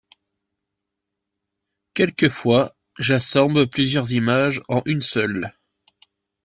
Quelquefois j’assemble plusieurs images en une seule.